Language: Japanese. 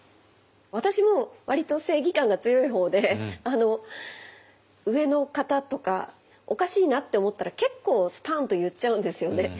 私も割と正義感が強い方で上の方とかおかしいなって思ったら結構スパンと言っちゃうんですよね。